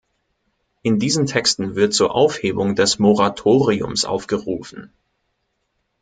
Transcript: In diesen Texten wird zur Aufhebung des Moratoriums aufgerufen.